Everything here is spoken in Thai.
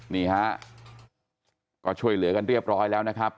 นี่ฮะก็ช่วยเหลือกันเรียบร้อยแล้วนะครับ